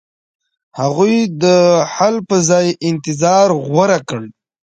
هغوی د حل په ځای انتظار غوره کړ.